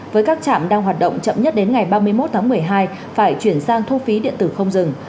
với các trạm đang hoạt động chậm nhất đến ngày ba mươi một tháng một mươi hai phải chuyển sang thu phí điện tử không dừng